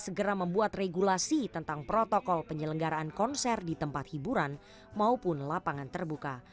segera membuat regulasi tentang protokol penyelenggaraan konser di tempat hiburan maupun lapangan terbuka